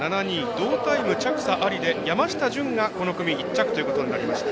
同タイム、着差ありで山下潤がこの組１着ということになりました。